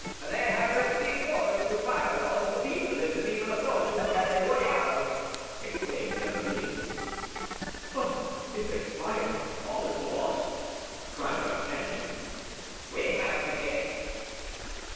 "They have received orders to fire on the people if the people approach the Palais Royal!" exclaimed Mazarin. "But if they fire, all is lost!" cried D'Artagnan. "We have the gates."